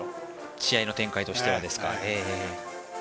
試合の展開としてはですか。